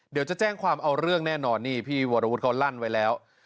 เดี๋ยวจะแจ้งความเอาเรื่องแน่นอนนี่พี่วรวุฒิเขาลั่นไว้แล้ว